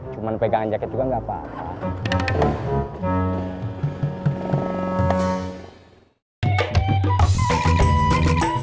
cuma pegangan jaket juga gak apa apa